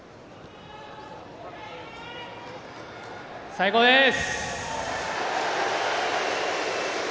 最高です！